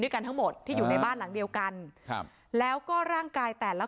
กันทั้งหมดที่อยู่ในบ้านหลังเดียวกันครับแล้วก็ร่างกายแต่ละ